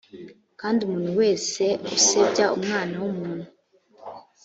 kandi umuntu wese usebya umwana w umuntu